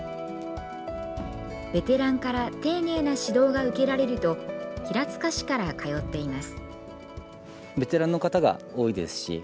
ベテランから丁寧な指導が受けられると平塚市から通っています。